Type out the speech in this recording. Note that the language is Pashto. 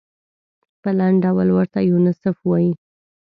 په لنډ ډول ورته یونیسف وايي.